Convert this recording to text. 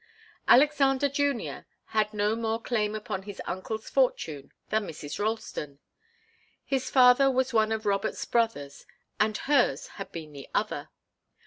Alexander Junior had no more claim upon his uncle's fortune than Mrs. Ralston. His father was one of Robert's brothers and hers had been the other.